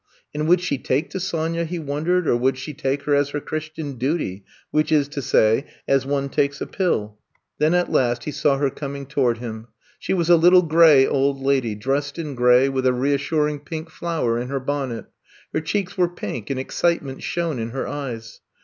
'* And would she take to Sonya, he wondered, or would she take her as her Christian duty, which is to say, as one takes a pill. 80 I'VE COMB TO STAY Then, at last he saw her coming toward iim. She was a little gray old lady, dressed in gray, with a reassuring pink flower in her bonnet. Her cheeks were pink, and excitement shone in her eyes.